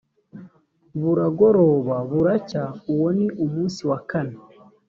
buragoroba buracya uwo ni umunsi wa kane